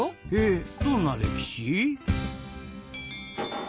えどんな歴史？